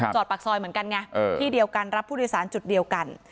ปากซอยเหมือนกันไงที่เดียวกันรับผู้โดยสารจุดเดียวกัน